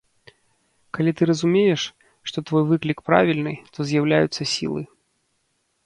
Калі ты разумееш, што твой выклік правільны, то з'яўляюцца сілы.